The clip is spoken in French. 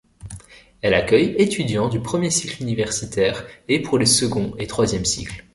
Elle accueille étudiants du premier cycle universitaire et pour les second et troisième cycles.